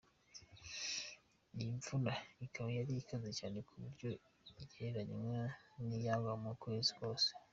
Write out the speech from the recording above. Iyi mvura ikaba yari ikaze cyane ku buryo igereranywa n’iyagwa mu kwezi kose.